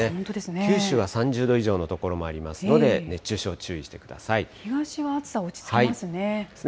九州は３０度以上の所もありますので、熱中症、注意してくだ東は暑さ、落ち着きますね。